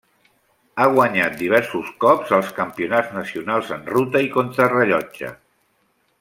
Ha guanyat diversos cops els campionats nacionals en ruta i contrarellotge.